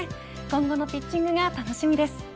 今後のピッチングが楽しみです。